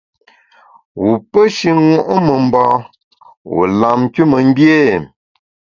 Wu pe shi ṅo’ memba, wu lam nkümengbié ?